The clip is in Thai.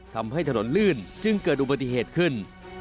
ทำให้ถนนลื่นจึงเกิดอุบัติเหตุขึ้น